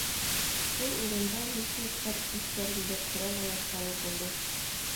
Шул урында митингтар үткәрелде, Ҡөрьән аяттары уҡылды.